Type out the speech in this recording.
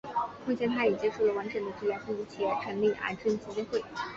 目前她已接受了完整的治疗并且成立癌症基金会。